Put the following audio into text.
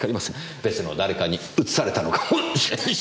別の誰かにうつされたのかもしれないし。